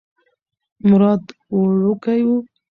مراد وړوکی و.